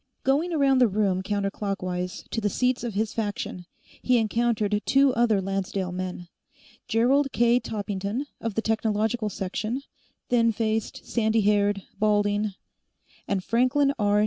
Going around the room counterclockwise to the seats of his faction, he encountered two other Lancedale men: Gerald K. Toppington, of the Technological Section, thin faced, sandy haired, balding; and Franklin R.